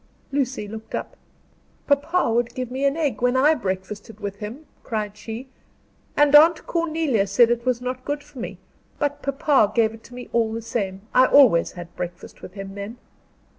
Lucy looked up. "Papa would give me an egg when I breakfasted with him," cried she, "and Aunt Cornelia said it was not good for me, but papa gave it to me all the same. I always had breakfast with him then."